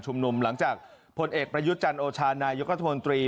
หลังจากผลเอกประยุทธ์จันโอชานายกรัฐมนตรี